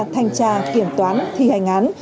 thanh tra kiểm toán thi hành án